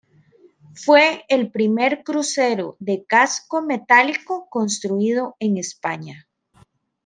Fue el primer crucero de casco metálico construido en España.